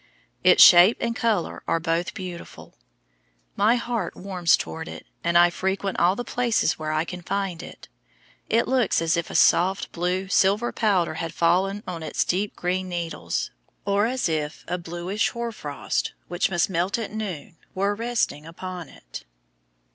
Its shape and color are both beautiful. My heart warms towards it, and I frequent all the places where I can find it. It looks as if a soft, blue, silver powder had fallen on its deep green needles, or as if a bluish hoar frost, which must melt at noon, were resting upon it.